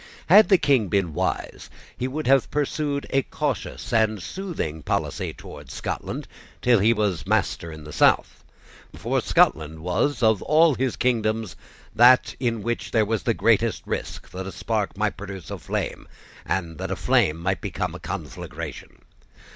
Had the King been wise, he would have pursued a cautious and soothing policy towards Scotland till he was master in the South. For Scotland was of all his kingdoms that in which there was the greatest risk that a spark might produce a flame, and that a flame might become a conflagration.